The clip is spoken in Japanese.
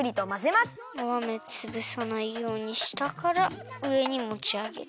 お豆つぶさないようにしたからうえにもちあげる。